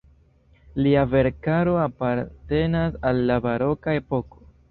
Lia verkaro apartenas al la baroka epoko.